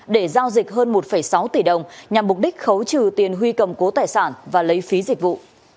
để giao dịch hơn một sáu tỷ đồng nhằm mục đích khấu trừ tiền huy cầm cố tài sản và lấy phí dịch vụ